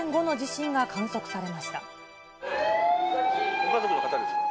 ご家族の方ですか。